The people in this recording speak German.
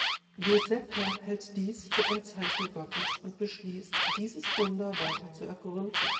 Josepha hält dies für ein Zeichen Gottes und beschließt, dieses Wunder weiter zu ergründen.